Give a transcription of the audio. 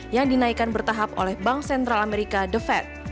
yang dinaikkan bertahap oleh bank sentral amerika the fed